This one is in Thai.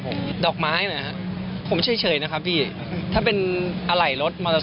ของขวัญทางใจอะไรอย่างนี้ตุ๊กตา